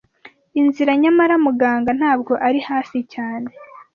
Inzira; nyamara, Muganga, ntabwo ari hafi cyane,